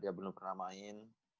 dia belum pernah main